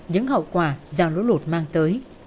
những hậu quả do lũ lụt mang tới